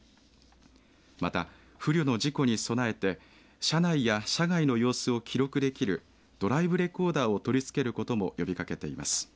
また、不慮の事故に備えて車内や車外の様子を記録できるドライブレコーダーを取りつけることも呼びかけています。